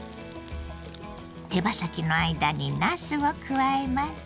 手羽先の間になすを加えます。